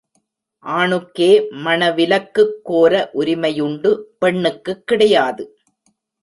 ஆணுக்கே மணவிலக்குக் கோர உரிமையுண்டு பெண்ணுக்குக் கிடையாது.